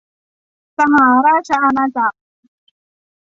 สหราชอาณาจักร